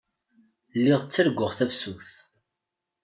Lliɣ ttarguɣ tafsut.